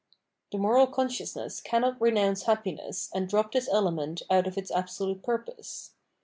The moral consciousness cannot renounce happiness and drop this element out of its absolute purpose.